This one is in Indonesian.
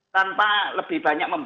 tanpa lebih banyak